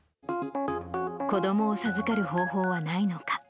子どもを授かる方法はないのか。